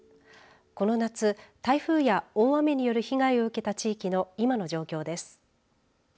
この夏、台風や大雨による被害を受けた地域の今の状況です。